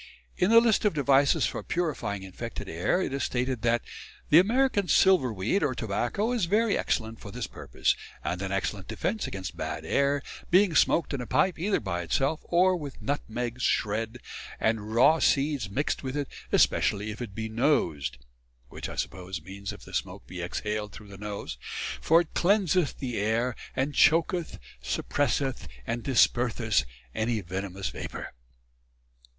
In the list of devices for purifying infected air it is stated that "The American Silver weed, or Tobacco, is very excellent for this purpose, and an excellent defence against bad air, being smoked in a pipe, either by itself, or with Nutmegs shred, and Rew Seeds mixed with it, especially if it be nosed" which, I suppose, means if the smoke be exhaled through the nose "for it cleanseth the air, and choaketh, suppresseth and disperseth any venomous vapour."